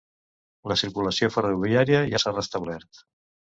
La circulació ferroviària ja s’ha restablert.